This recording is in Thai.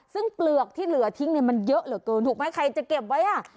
ซึ่งเปลือกที่เหลือทิ้งเนี่ยมันเยอะเหลือเกินถูกไหมใครจะเก็บไว้อ่ะ